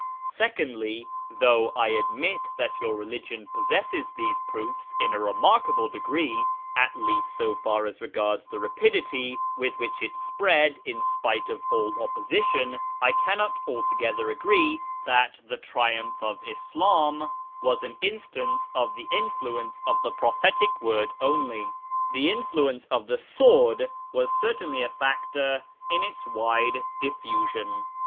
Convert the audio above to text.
Secondly, though I admit that your religion possesses these proofs in a remarkable degree (at least so far as regards the .rapidity with which it spread in spite of all opposition), I annot altogether agree that the triumph of Islam was an jtnstance of the influence of the prophetic word only. The influence of the sword was certainly a factor in its wide liftusion.